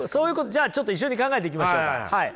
じゃあちょっと一緒に考えていきましょうか。